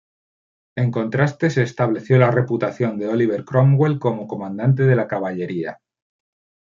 En contraste, se estableció la reputación de Oliver Cromwell como comandante de la caballería.